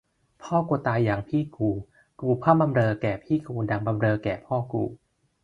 พ่อกูตายยังพี่กู กูพร่ำบำเรอแก่พี่กูดั่งบำเรอแก่พ่อกู